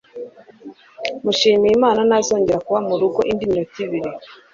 Mushimiyimana ntazongera kuba murugo indi minota ibiri.